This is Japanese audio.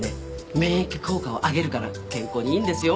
免疫効果を上げるから健康にいいんですよ